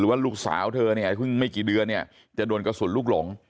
ว่าลูกสาวเธอเนี่ยเพิ่งไม่กี่เดือนเนี่ยจะโดนกระสุนลูกหลง